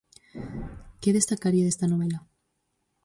Que destacaría desta novela?